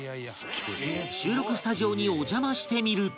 収録スタジオにお邪魔してみると